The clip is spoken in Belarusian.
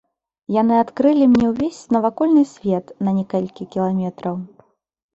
Яны адкрылі мне ўвесь навакольны свет на некалькі кіламетраў.